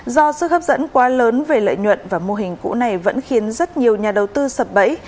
do sức hấp dẫn quá lớn về lợi nhuận và mô hình cũ này vẫn khiến rất nhiều nhà đầu tư sập bẫy